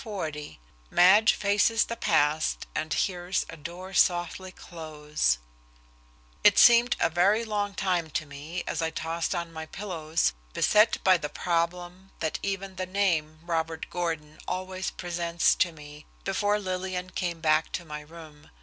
XL MADGE FACES THE PAST AND HEARS A DOOR SOFTLY CLOSE It seemed a very long time to me, as I tossed on my pillows, beset by the problem that even the name Robert Gordon always presents to me, before Lillian came back to my room.